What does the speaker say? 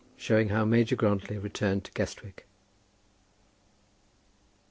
SHOWING HOW MAJOR GRANTLY RETURNED TO GUESTWICK.